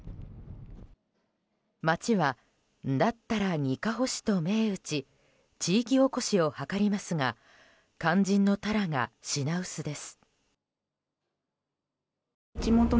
町は、「んだっ鱈、にかほ市」と銘打ち地域おこしを図りますが肝心のタラが品薄です。